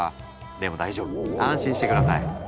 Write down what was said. でも大丈夫安心して下さい。